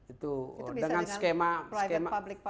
itu bisa dengan private public partnership